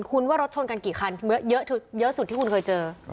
คุณว่ารถชนกันกี่คันเยอะสุดที่คุณเคยเจอ